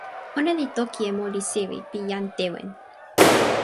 ona li toki e moli sewi pi jan Tewen.